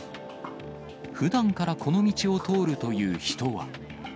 ふだんからこの道を通るという人は。